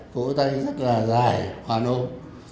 cổ tay rất là dài hoàn hôn